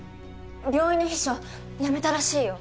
病院の秘書辞めたらしいよ。